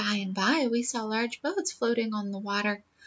"By and by, we saw large boats floating on the water.